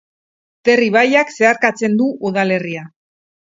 Ter ibaiak zeharkatzen du udalerria.